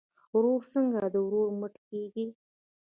ورور څنګه د ورور مټ کیږي؟